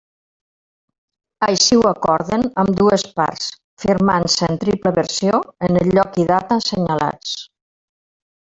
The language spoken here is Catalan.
Així ho acorden ambdues parts, firmant-se en triple versió en el lloc i data assenyalats.